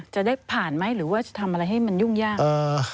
จะได้ผ่านไหมหรือว่าจะทำอะไร